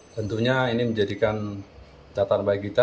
tentunya ini menjadikan catatan bagi kita